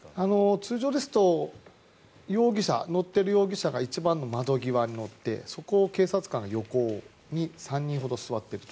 通常ですと乗っている容疑者が一番の窓際に乗ってそこを警察官が横に３人ほど座っていると。